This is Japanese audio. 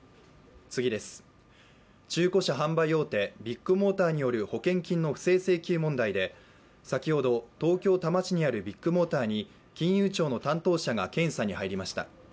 中古車販売大手・ビッグモーターによる保険金の不正請求問題で先ほど、東京・多摩市にあるビッグモーターに金融庁の担当者が検査に入りました。